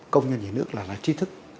công nhân nhà nước là trí thức